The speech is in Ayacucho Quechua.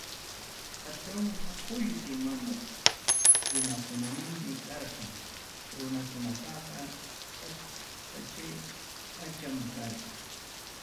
Patrunqa qullqi manuq runakunaman karqa, runakunapaqa sasachay pacham karqa.